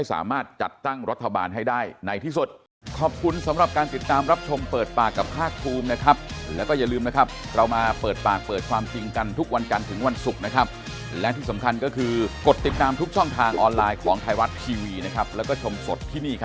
สามารถจัดตั้งรัฐบาลให้ได้ในที่สุด